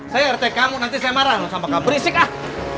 saya rt kamu nanti saya marah loh sama kamu berisik ah